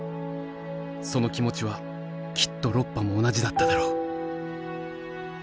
その気持ちはきっとロッパも同じだっただろう